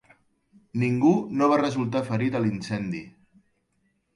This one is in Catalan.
Ningú no va resultar ferit a l'incendi.